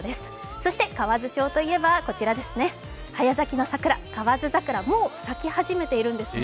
そして河津町といえばこちらですね、早咲きの桜、河津桜、もう咲き始めているんですね。